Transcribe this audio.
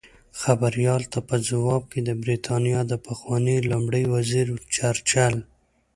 خبریال ته په ځواب کې د بریتانیا د پخواني لومړي وزیر چرچل